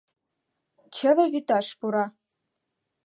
Чыве вӱташ пура.